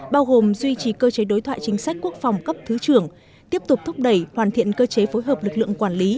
bao gồm duy trì cơ chế đối thoại chính sách quốc phòng cấp thứ trưởng tiếp tục thúc đẩy hoàn thiện cơ chế phối hợp lực lượng quản lý